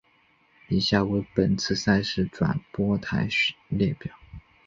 以下为本次赛事转播台列表。